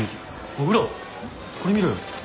宇良これ見ろよ。